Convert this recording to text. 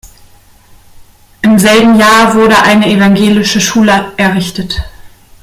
Im selben Jahr wurde eine evangelische Schule errichtet.